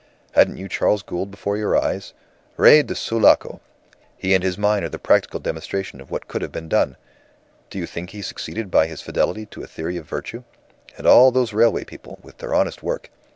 Hadn't you Charles Gould before your eyes? Rey de Sulaco! He and his mine are the practical demonstration of what could have been done. Do you think he succeeded by his fidelity to a theory of virtue? And all those railway people, with their honest work!